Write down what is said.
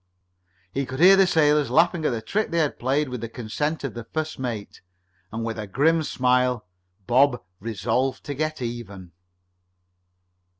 He could hear the sailors laughing at the trick they had played, with the consent of the first mate, and with a grim smile Bob resolved to get even.